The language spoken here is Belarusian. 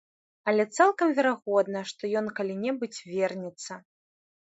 Але цалкам верагодна, што ён калі-небудзь вернецца.